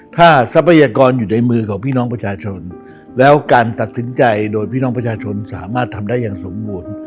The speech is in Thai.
ถ้าทรัพยากรอยู่ในมือของพี่น้องประชาชนแล้วการตัดสินใจโดยพี่น้องประชาชนสามารถทำได้อย่างสมบูรณ์